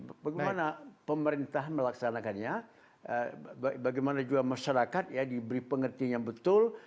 bagaimana pemerintah melaksanakannya bagaimana juga masyarakat ya diberi pengertian yang betul